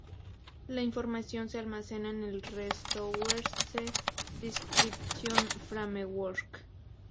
La información se almacena con el Resource Description Framework.